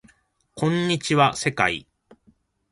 こんにちは世界